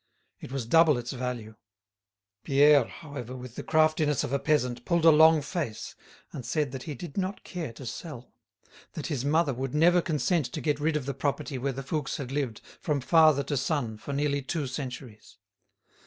It was double its value. Pierre, whoever, with the craftiness of a peasant, pulled a long face, and said that he did not care to sell; that his mother would never consent to get rid of the property where the Fouques had lived from father to son for nearly two centuries.